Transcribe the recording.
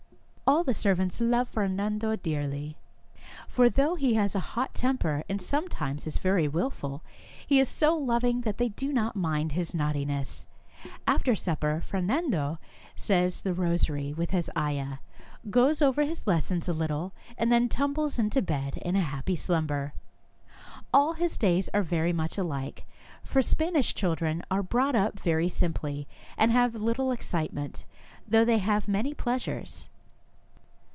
All the servants love Fernando dearly, for though he has a hot temper, and sometimes is very wilful, he is so loving that they do not mind his naughti ness. After supper Fernando says the rosary with his aya, goes over his lessons a little, and then tumbles into bed in a happy slum ber. All his days are very much alike, for Span ish children are brought up very simply, and have little excitement, though they have many pleasures.